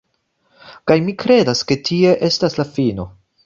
Kaj mi kredas ke tie estas la fino